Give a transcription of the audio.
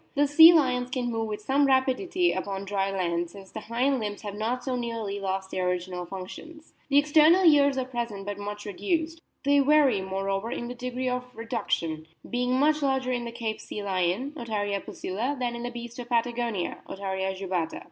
The sea lions can move with some rapidity upon dry land, since the hind limbs have not so nearly lost their original functions. The external ears are present but much reduced ; they vary, moreover, in the degree of reduction, being much larger in the Cape Sea lion, Otaria pus ilia, than in the beast of Patagonia, Otaria jubata.